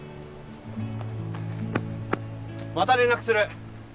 また連絡する！